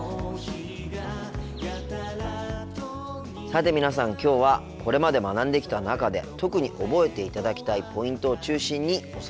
さて皆さんきょうはこれまで学んできた中で特に覚えていただきたいポイントを中心におさらいしています。